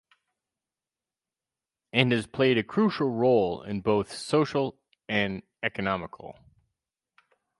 And has played a crucial role in both social and economical.